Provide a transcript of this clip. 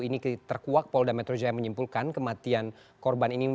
ini terkuak pol dametroja yang menyimpulkan kematian korban ini